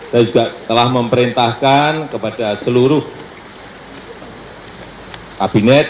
saya juga telah memerintahkan kepada seluruh kabinet